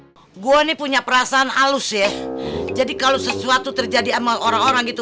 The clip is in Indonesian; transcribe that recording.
hai gue nih punya perasaan alus ya jadi kalau sesuatu terjadi ama orang orang itu